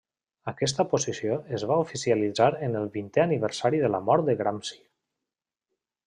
Aquesta posició es va oficialitzar en el vintè aniversari de la mort de Gramsci.